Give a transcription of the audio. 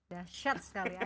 dahsyat sekali ya